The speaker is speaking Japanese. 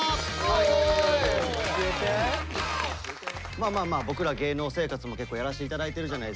まあまあまあ僕ら芸能生活も結構やらしていただいてるじゃないですか。